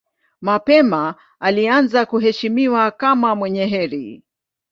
Mapema alianza kuheshimiwa kama mwenye heri.